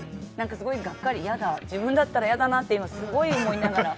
すごいがっかり自分だったら嫌だなって思いながら。